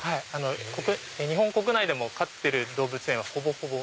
日本国内でも飼ってる動物園はほぼほぼ。